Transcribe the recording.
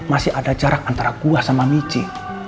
masih ada jarak antara kuah sama michi